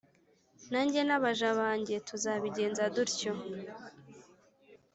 nanjye n’abaja banjye tuzabigenza dutyo.